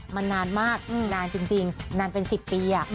มันนานมากนานจริงนานเป็น๑๐ปี